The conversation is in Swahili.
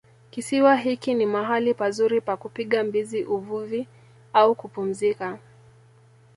Kisiwa hiki ni mahali pazuri pa kupiga mbizi uvuvi au kupumzika